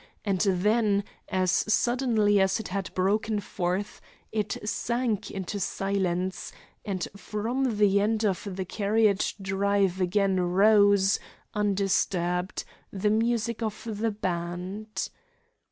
And then, as suddenly as it had broken forth, it sank to silence, and from the end of the carriage drive again rose, undisturbed, the music of the band.